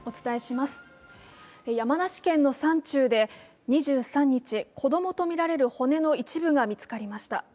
山梨県の山中で２３日、子供とみられる骨の一部が見つかりました。